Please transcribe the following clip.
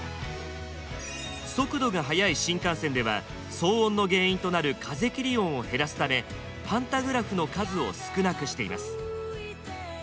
速度が速い新幹線では騒音の原因となる風切り音を減らすためパンタグラフの数を少なくしています。